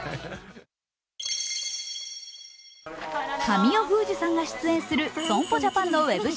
神尾楓珠さんが出演する損保ジャパンのウェブ